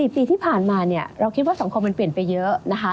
๔ปีที่ผ่านมาเนี่ยเราคิดว่าสังคมมันเปลี่ยนไปเยอะนะคะ